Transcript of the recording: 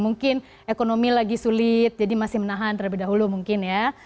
mungkin ekonomi lagi sulit jadi masih menahan terlebih dahulu mungkin ya